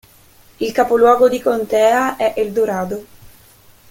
Il capoluogo di contea è Eldorado.